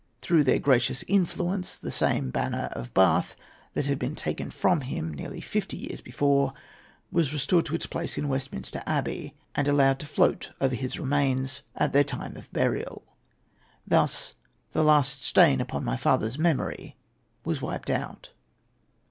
Through their gracious influence, the same banner of the Bath that had been taken from him nearly fifty years before, was restored to its place in Westminster Abbey, and allowed to float over his remains at their time of burial. Thus the last stain upon my father's memory was wiped out.